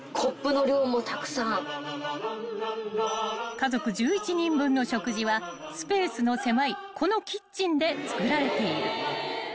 ［家族１１人分の食事はスペースの狭いこのキッチンで作られている］